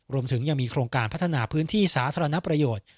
รวมถึงยังมีโครงการพัฒนาพื้นที่สาธารณประโยชน์